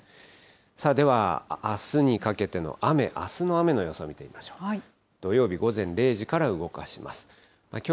さあでは、あすにかけての雨、あすの雨の予想を見てみましょう。